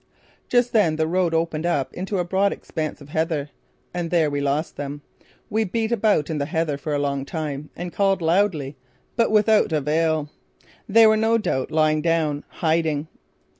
Just then the road opened up into a broad expanse of heather. And there we lost them. We beat about in the heather for a long time, and called loudly, but without avail. They were no doubt lying down, hiding.